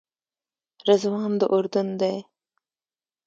رضوان د اردن دی.